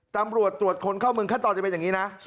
ตำรวจตรวจคนเข้าเมืองขั้นตอนจะเป็นอย่างนี้นะ